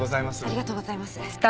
ありがとうございます。